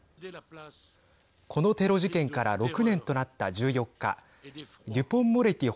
このテロ事件から６年となった１４日デュポンモレティ